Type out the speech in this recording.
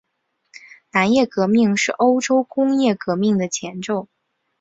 商业革命是欧洲工业革命的前奏。